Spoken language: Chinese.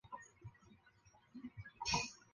长梗匙叶五加为五加科五加属匙叶五加的变种。